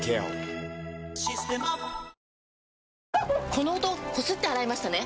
この音こすって洗いましたね？